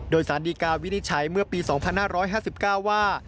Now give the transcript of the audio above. โดยสารดีกาวินิจฉัยเมื่อปี๒๕๕๙ว่า